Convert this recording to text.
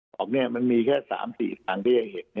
ปรากษาไทยมันมีแค่๓๔ทางที่เห็น